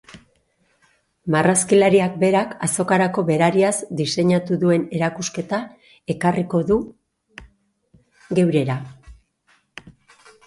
Marrazkilariak berak azokarako berariaz diseinatu duen erakusketa ekarriko du geurera.